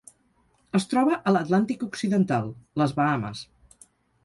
Es troba a l'Atlàntic occidental: les Bahames.